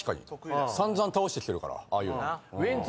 さんざん倒してきてるからああいうの。